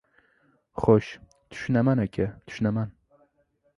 — Xo‘sh, tushunaman, aka, tushunaman.